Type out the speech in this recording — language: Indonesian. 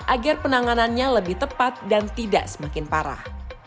agar penanganannya lebih tepat dan tidak semakin parah